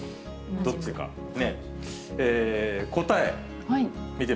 どっちがね。